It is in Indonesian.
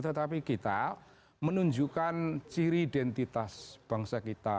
tetapi kita menunjukkan ciri identitas bangsa kita